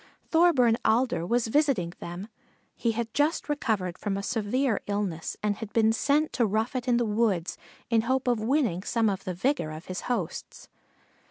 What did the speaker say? Thorburn Alder was visiting them. He had just recovered from a severe illness and had been sent to rough it in the woods in hope of winning some of the vigor of his hosts.